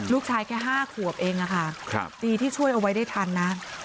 ลูกชายแค่ห้าขวบเองอะค่ะครับดีที่ช่วยเอาไว้ได้ทันนะ